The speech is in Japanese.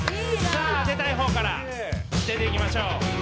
さあ出たい方から出ていきましょう！